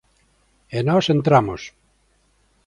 E nós entramos.